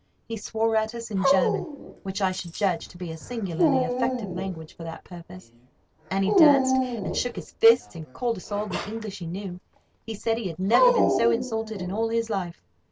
He swore at us in German (which I should judge to be a singularly effective language for that purpose), and he danced, and shook his fists, and called us all the English he knew. He said he had never been so insulted in all his life.